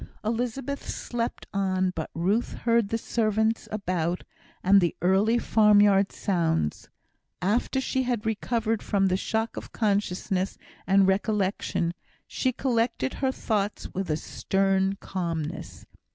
Elizabeth slept on; but Ruth heard the servants about, and the early farmyard sounds. After she had recovered from the shock of consciousness and recollection, she collected her thoughts with a stern calmness.